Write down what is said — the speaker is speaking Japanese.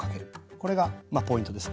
これがまあポイントです。